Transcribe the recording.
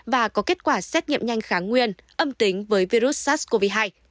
và có kết quả xét nghiệm nhanh kháng nguyên âm tính với virus sars cov hai